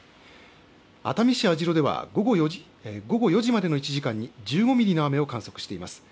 熱海市網代では午後４時までの１時間に１５ミリの雨を観測しています。